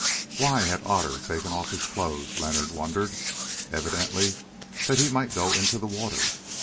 Why had Otter taken off his clothes, Leonard wondered? Evidently that he might go into the water.